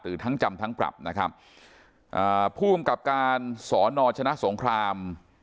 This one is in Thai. ทั้งจำทั้งปรับนะครับอ่าผู้กำกับการสอนอชนะสงคราม